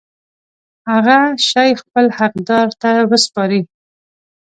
هغه شی خپل حقدار ته وسپاري.